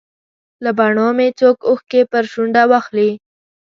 له بڼو به مې څوک اوښکې پر شونډه واخلي.